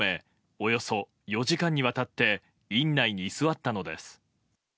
およそ４時間にわたって院内に居座ったのです。